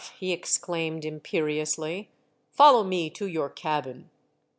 he exclaimed, imperiously. " Follow me to your cabin."